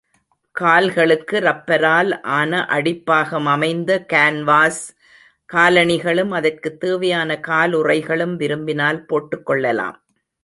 கால்களுக்கு ரப்பரால் ஆன அடிப்பாகம் அமைந்த கான்வாஸ் காலணிகளும், அதற்குத் தேவையான காலுறைகளும் விரும்பினால் போட்டுக் கொள்ளலாம்.